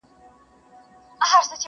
چي دا سپین ږیري دروغ وايي که ریشتیا سمېږي٫